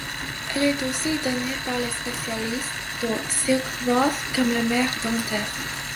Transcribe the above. Elle est aussi donné par les spécialistes, dont Silke Roth, comme la mère d'Antef.